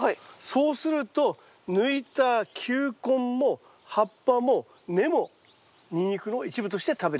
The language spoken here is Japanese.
そうすると抜いた球根も葉っぱも根もニンニクの一部として食べれる。